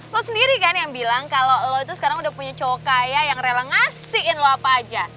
lo sendiri kan yang bilang kalau lo itu sekarang udah punya cowok kayak yang rela ngasihin lo apa aja